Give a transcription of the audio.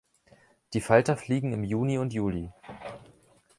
Die Falter fliegen im Juni und Juli.